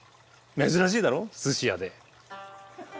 珍しいだろ？寿司屋で。